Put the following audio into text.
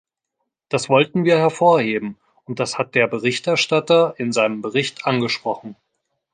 Das wollten wir hervorheben, und das hat der Berichterstatter in seinem Bericht angesprochen.